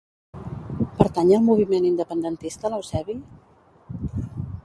Pertany al moviment independentista l'Eusebi?